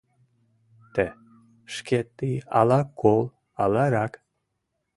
Т.- Шке тый ала кол, ала рак?